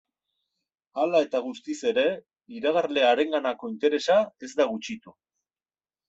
Hala eta guztiz ere, iragarle harenganako interesa ez da gutxitu.